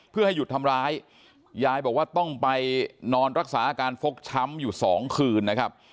เพื่อให้หยุดทำร้ายยายบอกว่าต้องไปนอนรักษาอาการฟกช้ำอยู่สองคืนนะครับ